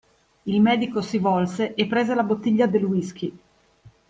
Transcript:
Il medico si volse e prese la bottiglia del whisky.